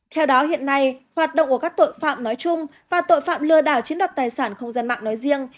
theo đó hiện nay hoạt động của các tội phạm nói chung và tội phạm lừa đảo chiếm đoạt tài sản không gian mạng nói riêng